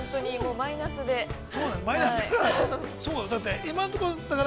マイナスだから。